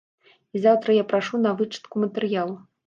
І заўтра я прашу на вычытку матэрыял!